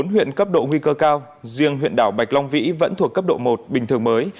bốn huyện cấp độ nguy cơ cao riêng huyện đảo bạch long vĩ vẫn thuộc cấp độ một bình thường mới